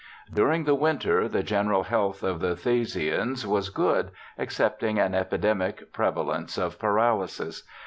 During the winter, the general health of the Thasians was good, excepting an epidemic prevalence of paralysis.